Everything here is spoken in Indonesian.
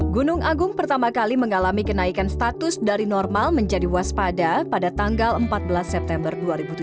gunung agung pertama kali mengalami kenaikan status dari normal menjadi waspada pada tanggal empat belas september dua ribu tujuh belas